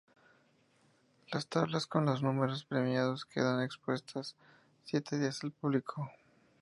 Las tablas con los números premiados quedan expuestas siete días al público.